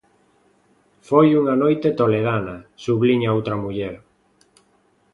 Foi unha noite toledana, subliña outra muller.